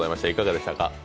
いかがでしたか？